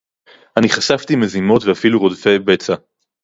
אני חשפתי מזימות ואפילו רודפי בצע